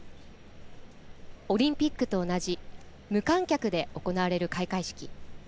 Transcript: オリンピックと同じ無観客で行われる開会式。